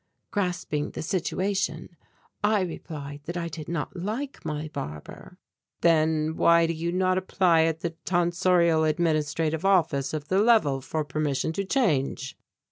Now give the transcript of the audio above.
Grasping the situation I replied that I did not like my barber. "Then why do you not apply at the Tonsorial Administrative Office of the level for permission to change?"